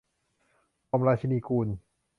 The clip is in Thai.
หม่อมราชินิกูล